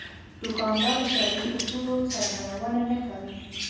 دوکاندار له شرعي اصولو سرغړونه نه کوي.